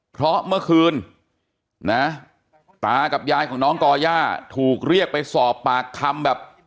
เพราะเมื่อคืนนะตากับยายของน้องก่อย่าถูกเรียกไปสอบปากคำแบบ